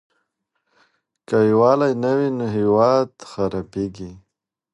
که يووالی نه وي نو هېواد خرابيږي.